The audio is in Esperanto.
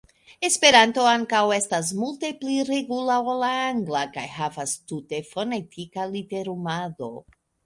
Esperanto ankaŭ estas multe pli regula ol la angla kaj havas tute fonetika literumado.